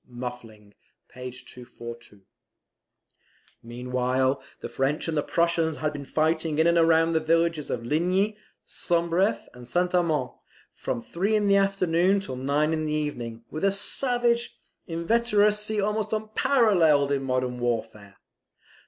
[Muffling, p. 242.] Meanwhile the French and the Prussians had been fighting in and round the villages of Ligny, Sombref, and St. Armand, from three in the afternoon to nine in the evening, with a savage inveteracy almost unparalleled in modern warfare.